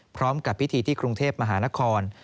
พร้อมกับพิธีที่กรุงเทพมหานคร